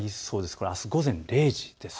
これはあす午前０時です。